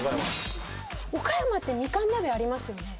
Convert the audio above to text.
岡山ってみかん鍋ありますよね？